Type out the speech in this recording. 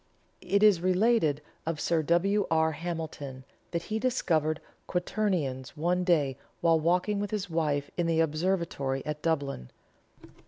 It is related of Sir W. R. Hamilton that he discovered quarternions one day while walking with his wife in the observatory at Dublin.